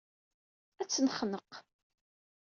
Ad tt-nexneq.